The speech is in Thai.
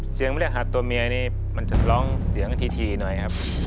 เสียงเรียกหาตัวเมียนี้มันจะร้องเสียงทีหน่อยครับ